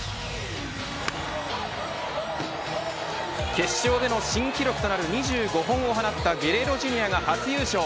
決勝での新記録となる２５本を放ったゲレーロＪｒ．が初優勝。